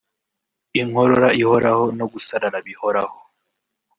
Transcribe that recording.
inkorora ihoraho no gusarara bihoraho